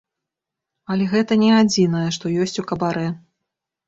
Але гэта не адзінае, што ёсць у кабарэ.